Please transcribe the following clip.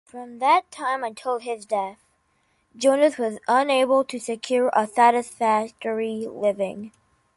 From that time until his death, Jonas was unable to secure a satisfactory living.